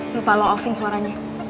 lupa lo off in suaranya